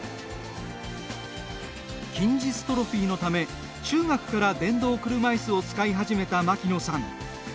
筋ジストロフィーのため中学から電動車いすを使い始めた牧野さん。